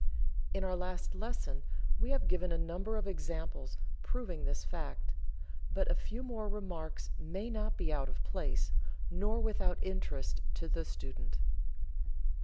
In our last lesson we have given a number of examples proving this fact, but a few more remarks may not be out of place, nor without interest to the student.